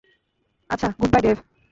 আচ্ছা, good bye, Dave.